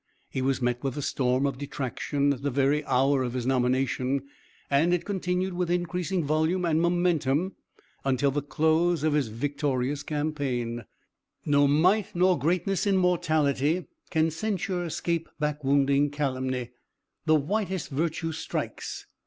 He was met with a storm of detraction at the very hour of his nomination, and it continued with increasing volume and momentum until the close of his victorious campaign: No might nor greatness in mortality Can censure 'scape; backwounding calumny The whitest virtue strikes.